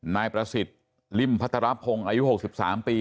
นายประสิทธิ์ลิมพระตราพงศ์อายุหกสิบสามปี